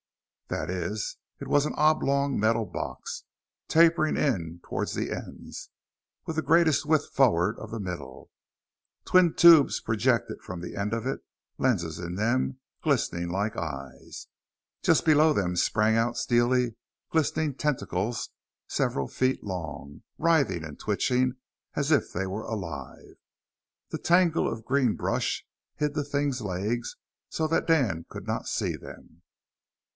That is, it was an oblong metal box, tapering toward the ends, with the greatest width forward of the middle. Twin tubes projected from the end of it, lenses in them glistening like eyes. Just below them sprang out steely, glistening tentacles several feet long, writhing and twitching as if they were alive. The tangle of green brush hid the thing's legs, so that Dan could not see them.